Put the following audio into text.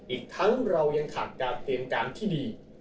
อีกทั้งเรายังขาดการเตรียมการที่ดี